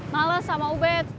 males sama ubed